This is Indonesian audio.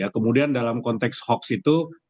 kemudian dalam konteks hoax itu